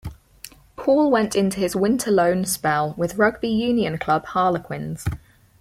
Paul went into his winter loan spell with rugby union club Harlequins.